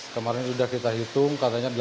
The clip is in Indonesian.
kemarin sudah kita hitung katanya delapan belas